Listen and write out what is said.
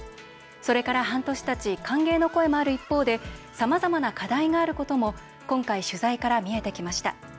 それから、半年たち歓迎の声もある一方でさまざまな課題があることも今回、取材から見えてきました。